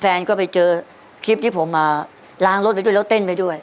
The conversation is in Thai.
แฟนก็ไปเจอคลิปที่ผมมาล้างรถไปด้วยแล้วเต้นไปด้วย